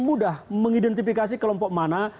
mudah mengidentifikasi kelompok mana